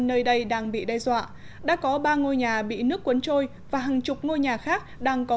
nơi đây đang bị đe dọa đã có ba ngôi nhà bị nước cuốn trôi và hàng chục ngôi nhà khác đang có